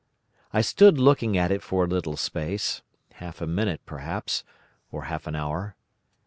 I stood looking at it for a little space—half a minute, perhaps, or half an hour.